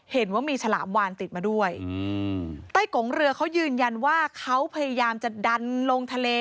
เห็นว่ามีฉลามวานติดมาด้วยใต้กงเรือเขายืนยันว่าเขาพยายามจะดันลงทะเล